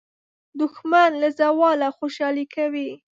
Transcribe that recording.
دښمن له زواله خوشالي کوي